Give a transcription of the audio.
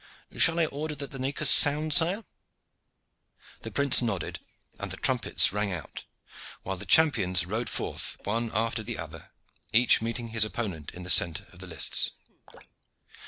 Shall I order that the nakirs sound, sire?" The prince nodded, and the trumpets rang out, while the champions rode forth one after the other, each meeting his opponent in the centre of the lists.